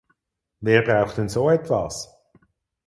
Wer braucht denn so etwas?